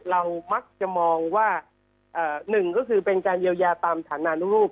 เรามักจะมองว่าหนึ่งก็คือเป็นการเยียวยาตามฐานานุรูป